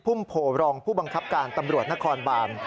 ุ่มโพรองผู้บังคับการตำรวจนครบาน